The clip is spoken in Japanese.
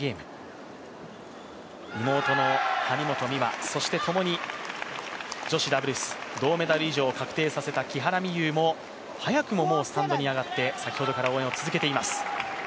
妹の張本美和、そして共に女子ダブルス銅メダル以上を確定させた早くもスタンドに上がって応援を続けています。